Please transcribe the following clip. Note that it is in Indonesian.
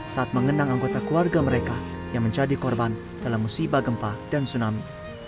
saat mengenang anggota keluarga mereka yang menjadi korban dalam musibah gempa dan tsunami